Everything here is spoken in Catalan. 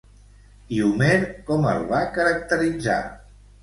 I Homer com el va caracteritzar?